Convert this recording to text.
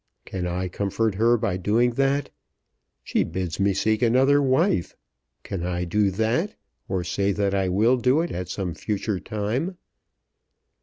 Can I comfort her by doing that? She bids me seek another wife. Can I do that; or say that I will do it at some future time?